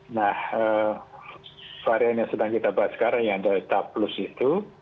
nah varian yang sedang kita bahas sekarang yang delta plus itu